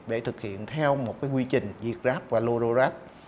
để thực hiện theo một quy trình việt gap và lobo gap